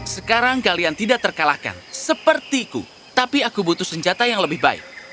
sekarang kalian tidak terkalahkan sepertiku tapi aku butuh senjata yang lebih baik